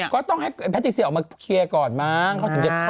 ก็ต้องให้พระธิเชียร์ออกมาเคลียร์ก่อนมั้ง